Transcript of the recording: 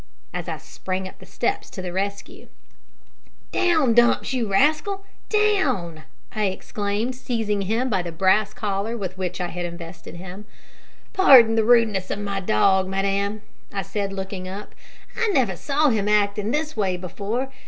as I sprang up the steps to the rescue. "Down, Dumps, you rascal; down!" I exclaimed, seizing him by the brass collar with which I had invested him. "Pardon the rudeness of my dog, madam," I said, looking up; "I never saw him act in this way before.